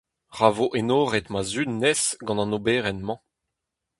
Ra vo enoret ma zud-nes gant an oberenn-mañ.